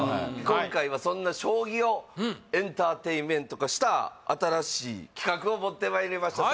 今回はそんな将棋をエンターテインメント化した新しい企画を持ってまいりました